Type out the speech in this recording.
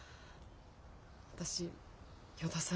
私依田さん